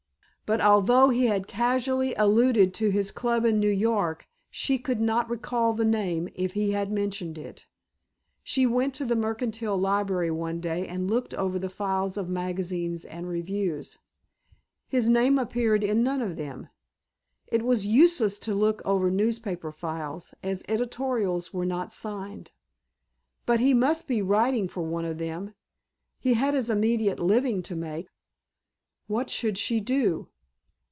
But although he had casually alluded to his club in New York she could not recall the name, if he had mentioned it. She went to the Mercantile Library one day and looked over files of magazines and reviews. His name appeared in none of them. It was useless to look over newspaper files, as editorials were not signed. But he must be writing for one of them. He had his immediate living to make. What should she do?